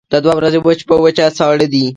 دا دوه ورځې وچ په وچه ساړه دي.